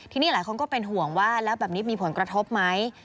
ทีนี้หลายคนก็เป็นห่วงว่าแล้วแบบนี้มีผลกระทบไหม